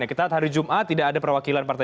kita lihat hari jumat tidak ada perwakilan partai